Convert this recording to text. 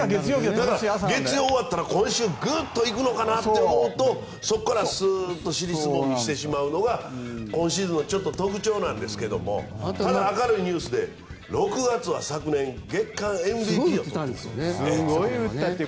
月曜が終わったら今週グンと行くのかなと思ったらそこからスーッと尻すぼみしてしまうのが今シーズンの特徴なんですけどただ、明るいニュースで６月は昨年、月間ＭＶＰを取ったと。